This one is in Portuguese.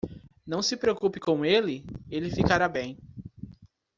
Não se preocupe com ele? ele ficará bem.